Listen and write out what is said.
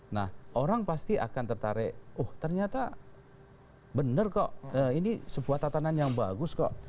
nah orang pasti akan tertarik oh ternyata benar kok ini sebuah tatanan yang bagus kok